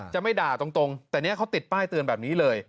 จะไม่ด่าตรงแต่เนี่ยเขาติดป้ายเตือนแบบนี้เลย